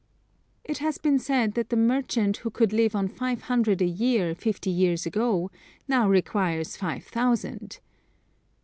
It has been said that the merchant who could live on five hundred a year, fifty years ago, now requires five thousand.